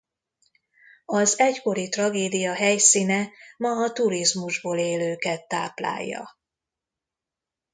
Az egykori tragédia helyszíne ma a turizmusból élőket táplálja.